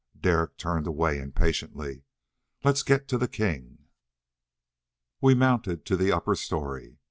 Derek turned away impatiently. "Let's get to the king." We mounted to the upper story.